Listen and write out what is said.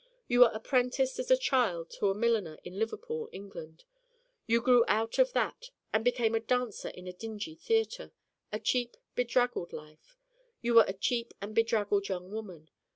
You were apprenticed as a child to a milliner in Liverpool, England. You grew out of that and became a dancer in a dingy theatre a cheap bedraggled life. You were a cheap and bedraggled young woman.